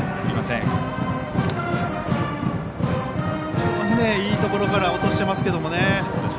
非常にいいところから落としていますけどね。